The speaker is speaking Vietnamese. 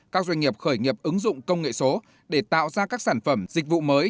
các doanh nghiệp khởi nghiệp ứng dụng công nghệ số để tạo ra các sản phẩm dịch vụ mới